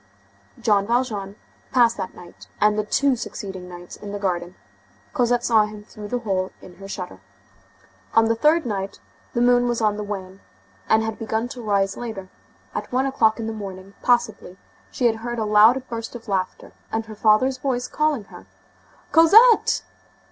Jean Valjean passed that night and the two succeeding nights in the garden. Cosette saw him through the hole in her shutter. On the third night, the moon was on the wane, and had begun to rise later; at one o'clock in the morning, possibly, she heard a loud burst of laughter and her father's voice calling her:— "Cosette!"